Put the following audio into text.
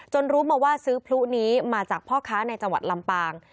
รู้มาว่าซื้อพลุนี้มาจากพ่อค้าในจังหวัดลำปาง